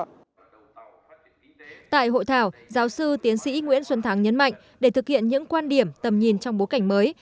tại hội thảo giáo sư tiến sĩ nguyễn xuân thắng nhấn mạnh để thực hiện những quan điểm tầm nhìn trong bố cảnh mới